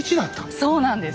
そうなんです。